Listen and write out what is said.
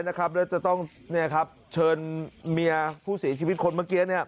นะครับแล้วจะต้องเนี่ยครับเชิญเมียผู้เสียชีวิตคนเมื่อกี้เนี่ย